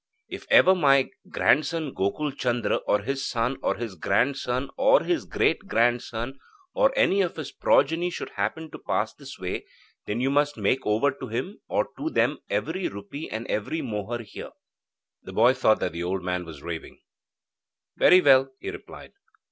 If ever my grandson, Gokul Chandra, or his son, or his grandson, or his great grandson or any of his progeny should happen to pass this way, then you must make over to him, or to them, every rupee and every mohur here.' The boy thought that the old man was raving. 'Very well,' he replied.